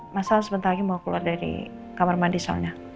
masa sebentar lagi mau keluar dari kamar mandi soalnya